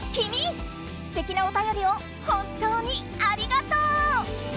すてきなお便りを本当にありがとう！